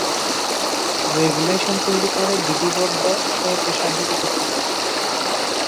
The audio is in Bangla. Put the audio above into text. রেগুলেশন তৈরি করে বিধিবদ্ধ স্বায়ত্বশাসিত কর্তৃপক্ষ।